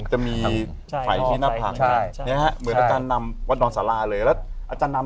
จะมีไฝพี่หน้าพระ